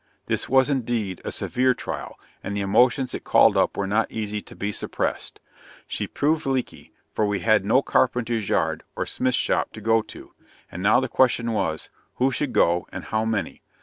This was indeed a severe trial, and the emotions it called up were not easy to be suppressed. She proved leaky, for we had no carpenter's yard, or smith's shop to go to. And now the question was, "who should go, and how many?"